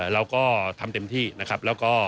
เราก็ทำเต็มที่นะครับ